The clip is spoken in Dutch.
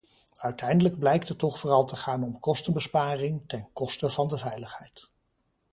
Uiteindelijk blijkt het toch vooral te gaan om kostenbesparing, ten koste van de veiligheid.